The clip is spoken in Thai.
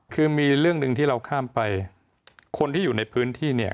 คือมีเรื่องหนึ่งที่เราข้ามไปคนที่อยู่ในพื้นที่เนี่ย